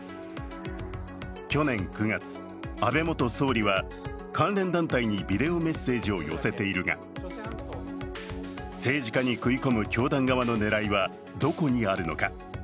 去年９月、安倍元総理は関連団体にビデオメッセージを寄せているが、政治家に食い込む教団側の狙いはどこにあるのか。